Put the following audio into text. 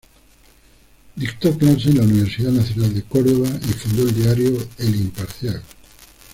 Dictó clase en la Universidad Nacional de Córdoba y fundó el diario "El Imparcial".